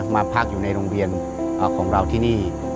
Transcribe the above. มาพักอยู่ในโรงเรียนของเราที่นี่